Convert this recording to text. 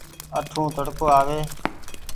اٺون تڙڪو آوي ۔